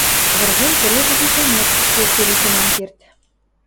Выргем цӹрежӹ гишӓнӓт тӧр келесен ам керд.